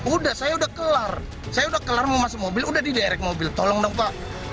udah saya udah kelar saya udah kelar mau masuk mobil udah diderek mobil tolong dong pak